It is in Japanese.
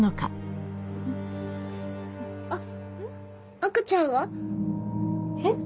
赤ちゃんは？えっ？